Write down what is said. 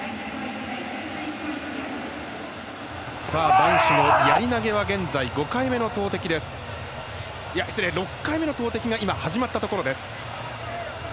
男子のやり投げは現在６回目の投てきが始まったところです。